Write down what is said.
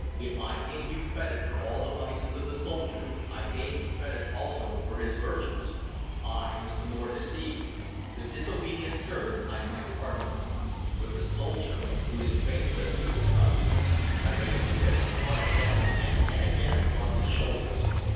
If I gave you credit for all the vices of the soldier, I gave you credit also for his virtues. I was the more deceived. The disobedient servant I might pardon, but the soldier who is faithless to his trust" I raised the whip and brought it down again and again across his shoulders.